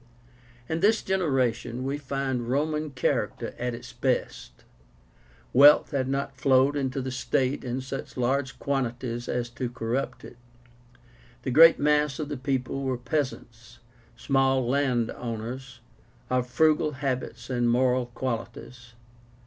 In this generation we find Roman character at its best. Wealth had not flowed into the state in such large quantities as to corrupt it. The great mass of the people were peasants, small land owners, of frugal habits and moral qualities.